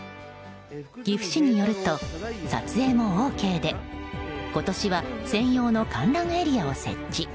岐阜市によると撮影もＯＫで今年は専用の観覧エリアを設置。